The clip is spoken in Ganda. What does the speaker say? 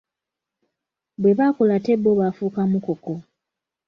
Bwe bakula ate bo bafuuka mukoko.